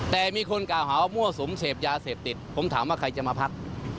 แต่มีคนกล่าวหาว่ามั่วสุมเสพยาเสพติดผมถามว่าใครจะมาพัก